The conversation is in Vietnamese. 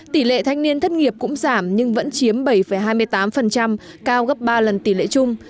tỷ lệ thanh niên thất nghiệp cũng giảm nhưng vẫn chiếm bảy hai mươi tám cao gấp ba lần tỷ lệ chung